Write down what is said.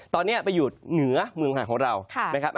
ตอนนี้ไปอยู่เหนือเมืองไห่ของเรา